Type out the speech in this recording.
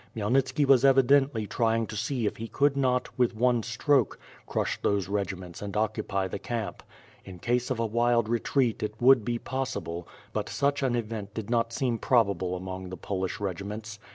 Khmyelnitski was evidently trying to see if he could not, with one stroke, crush those regiments and occupy the camp. In case of a wild retreat, it would be possible, l)ut such an event did not seem probable among the Polish regiments.